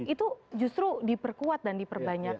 itu justru diperkuat dan diperbanyak